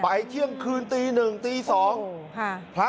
เที่ยงคืนตีหนึ่งตีสองพระ